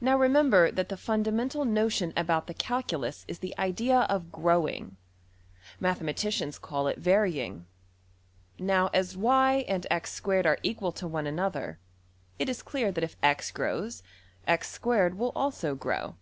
Now remember that the fundamental notion about the calculus is the idea of \emph{growing}. Mathematicians call it \emph{varying}. Now as $y$~and~$x^2$ are equal to one another, it is clear that if $x$~grows, $x^2$~will also grow.